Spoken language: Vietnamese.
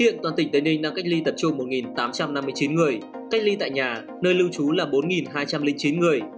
hiện toàn tỉnh tây ninh đang cách ly tập trung một tám trăm năm mươi chín người cách ly tại nhà nơi lưu trú là bốn hai trăm linh chín người